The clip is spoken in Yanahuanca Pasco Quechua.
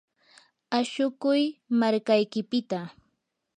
ashukuy markaykipita.